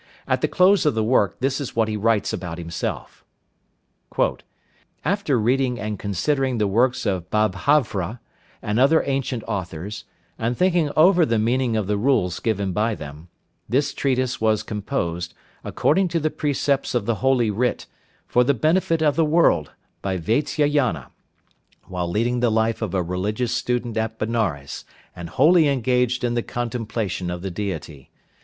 At the close of the work this is what he writes about himself: "After reading and considering the works of Babhravya and other ancient authors, and thinking over the meaning of the rules given by them, this treatise was composed, according to the precepts of the Holy Writ, for the benefit of the world, by Vatsyayana, while leading the life of a religious student at Benares, and wholly engaged in the contemplation of the Deity.